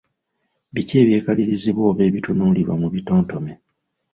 Biki ebyekalirizibwa oba ebitunuulirwa mu bitontome.